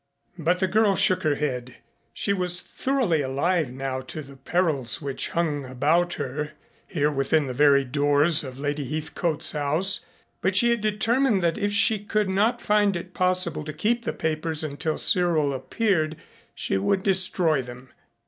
But the girl shook her head she was thoroughly alive now to the perils which hung about her, here within the very doors of Lady Heathcote's house, but she had determined that if she could not find it possible to keep the papers until Cyril appeared she would destroy them.